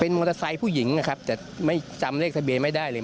มอเตอร์ไซค์ผู้หญิงนะครับแต่ไม่จำเลขทะเบียนไม่ได้เลย